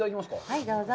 はい、どうぞ。